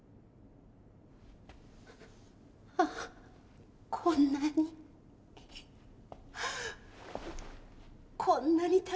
ああこんなに。